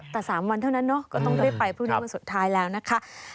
แต่๓วันเท่านั้นเนอะก็ต้องรีบไปพรุ่งนี้วันสุดท้ายแล้วนะคะ